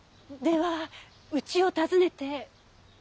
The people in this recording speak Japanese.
ではうちを訪ねて？